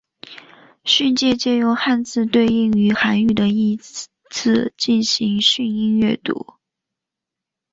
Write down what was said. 训借借用汉字对应于韩语的意字进行训音阅读。